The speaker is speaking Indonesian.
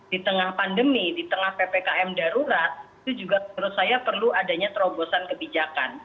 di tengah pandemi di tengah ppkm darurat itu juga menurut saya perlu adanya terobosan kebijakan